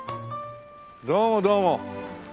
どうもどうも。